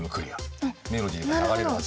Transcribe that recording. メロディーが流れるはず。